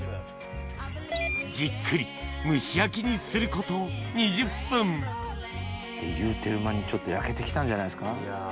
じっくり蒸し焼きにするこというてる間にちょっと焼けて来たんじゃないですか。